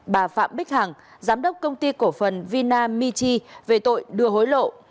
bà phạm bích hằng giám đốc công ty cổ phần vinamichi về tội đưa hối lộ